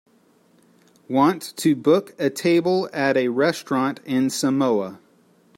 Want to book a table at a restaurant in Samoa